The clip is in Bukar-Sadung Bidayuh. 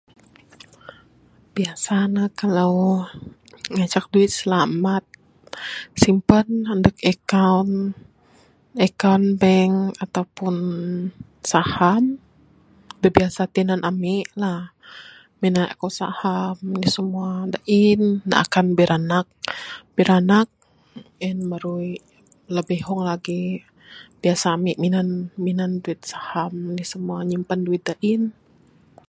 Biasa ne kalau ngancak duit selamat simpan ndek account account bank ataupun saham dak biasa tinan ami lah mina ku saham nih semua dak in akan biranak biranak en merui lebih ihong lagi biasa ami minan minan duit saham enih semua nyimpan duit ain.